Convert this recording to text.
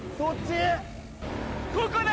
ここだ！